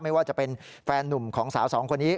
ไม่ว่าจะเป็นแฟนนุ่มของสาวสองคนนี้